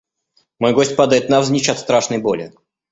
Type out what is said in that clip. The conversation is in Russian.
Мой гость падает навзничь от страшной боли.